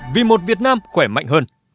vì một việt nam khỏe mạnh hơn